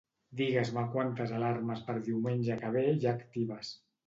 Digues-me quantes alarmes per diumenge que ve hi ha actives.